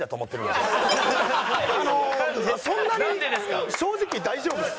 あのそんなに正直大丈夫っす。